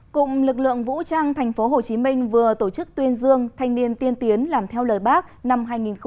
cụm lực lượng vũ trang tp hcm vừa tổ chức tuyên dương thanh niên tiên tiến làm theo lời bác năm hai nghìn hai mươi